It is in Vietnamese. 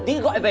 thì gọi về